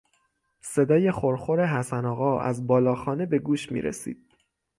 صدای خرخر حسن آقا از بالا خانه به گوش میرسید.